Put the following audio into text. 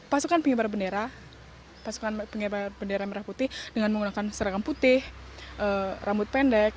pasukan pengembara bendera merah putih dengan menggunakan seragam putih rambut pendek